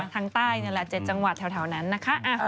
ทางใต้นี่แหละ๗จังหวัดแถวนั้นนะคะ